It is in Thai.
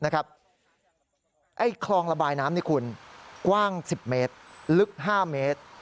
คลองระบายน้ำนี่คุณกว้าง๑๐เมตรลึก๕เมตร